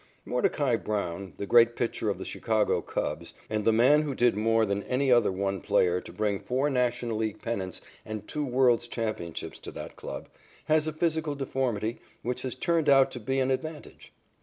Mordecai Brown, the great pitcher of the Chicago Cubs and the man who did more than any other one player to bring four National League pennants and two world's championships to that club, has a physical deformity which has turned out to be an advantage.